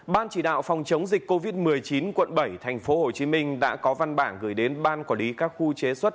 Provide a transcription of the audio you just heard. ban chỉ đạo phòng chống dịch covid một mươi chín quận bảy tp hcm đã có văn bản gửi đến ban quản lý các khu chế xuất